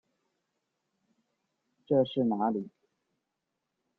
这是哪里？